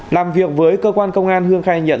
làm việc với cơ quan công an hương khai nhận